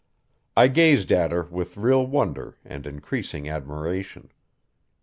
I gazed at her with real wonder and increasing admiration.